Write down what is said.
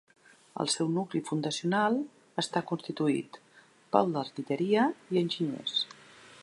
El seu nucli fundacional està constituït pel d'Artilleria i Enginyers.